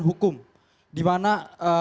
tetapi yang sangat disayangkan bahwa adalah perbedaan